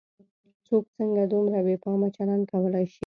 څوک څنګه دومره بې پامه چلن کولای شي.